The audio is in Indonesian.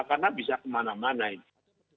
karena bisa kemana mana itu